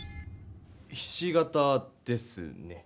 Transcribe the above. ひし形ですね。